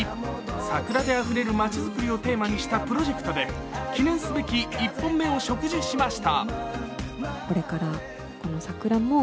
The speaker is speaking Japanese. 桜であふれる街づくりをテーマにしたプロジェクトで、記念すべき１本目を植樹しました。